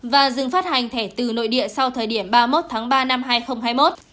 và dừng phát hành thẻ từ nội địa sau thời điểm ba mươi một tháng ba năm hai nghìn hai mươi một